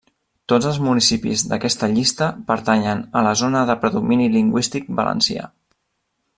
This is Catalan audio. Tots els municipis d’aquesta llista pertanyen a la zona de predomini lingüístic valencià.